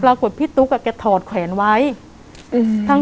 ปรากฏพี่ตุ๊กอ่ะแกถอดแขวนไว้อืม